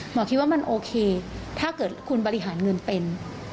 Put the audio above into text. คิดว่ามันโอเคถ้าเกิดคุณบริหารเงินเป็น